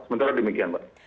sementara demikian mbak